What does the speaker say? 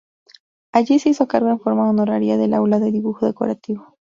Allí se hizo cargo en forma honoraria del aula de dibujo decorativo.